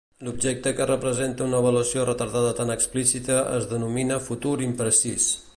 L'objecte que representa una avaluació retardada tan explícita es denomina futur imprecís.